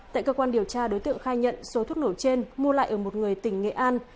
tại cơ quan điều tra đối tượng khai nhận số thuốc nổ trên mua lại ở một người tỉnh nghệ an